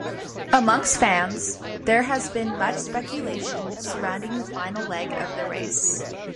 Amongst fans, there has been much speculation surrounding the final leg of the race.